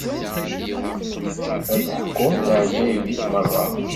Ad d-ḥkuɣ leɛǧayeb-ik merra.